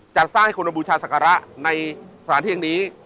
จัดสร้างให้คนมาบูชาศักระในสถานที่นี้